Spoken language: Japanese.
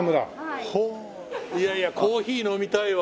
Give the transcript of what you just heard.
いやいやコーヒー飲みたいわ。